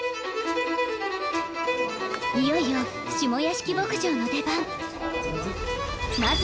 磴い茲い下屋敷牧場の出番磴